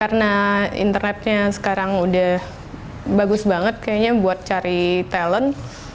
karena internetnya sekarang udah bagus banget kayaknya buat cari talent